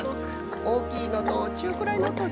おおきいのとちゅうくらいのとちいさいの。